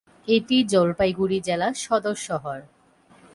এটি জলপাইগুড়ি জেলার সদর শহর।